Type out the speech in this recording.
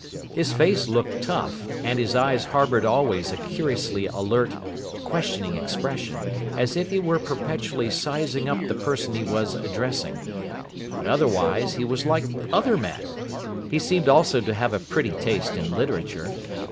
His face looked tough, and his eyes harboured always a curiously alert, questioning expression, as if he were perpetually "sizing up" the person he was addressing. But otherwise he was like other men. He seemed also to have a pretty taste in Literature.